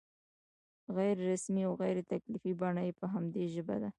غیر رسمي او غیر تکلفي بڼه یې په همدې ژبه ده.